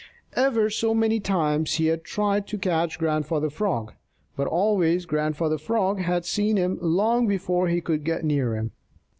Ever so many times he had tried to catch Grandfather Frog, but always Grandfather Frog had seen him long before he could get near him.